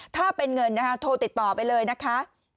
ถ้าเป็นเงินนะคะโทรติดต่อไปเลยนะคะ